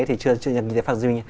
thì chưa nhà kinh tế phát duyên